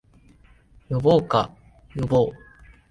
呼ぼうか、呼ぼう